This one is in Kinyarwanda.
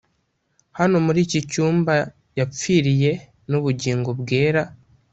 hano muri iki cyumba yapfiriye; n'ubugingo bwera